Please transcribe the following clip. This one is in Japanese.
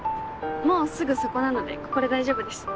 もうすぐそこなのでここで大丈夫です。